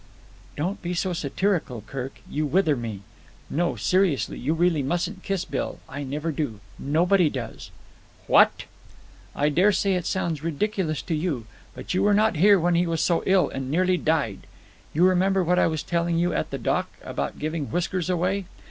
"Don't be so satirical, Kirk; you wither me. No, seriously, you really mustn't kiss Bill. I never do. Nobody does." "What!" "I dare say it sounds ridiculous to you, but you were not here when he was so ill and nearly died. You remember what I was telling you at the dock? About giving Whiskers away?